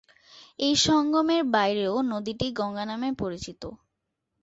এই সঙ্গমের বাইরেও নদীটি গঙ্গা নামে পরিচিত।